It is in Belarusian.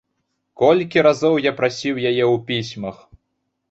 Колькі разоў я прасіў яе ў пісьмах?